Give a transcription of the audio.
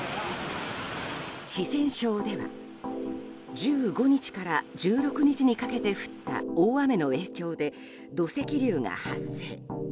四川省では１５日から１６日にかけて降った大雨の影響で土石流が発生。